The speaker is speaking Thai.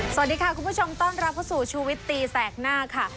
สวัสดีค่ะคุณผู้ชมต้อนรับเข้าสู่ชูวิตตีแสกหน้าค่ะ